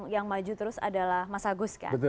yang maju terus adalah mas agus kan